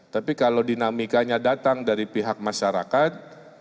tapi kalau dinamikanya datang dari pihak masyarakat